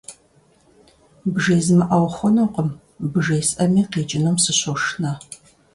БжезмыӀэу хъунукъым, бжесӀэми къикӀынум сыщошынэ.